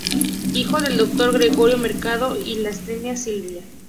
Hijo del doctor Gregorio Mercado y de Lastenia Silva.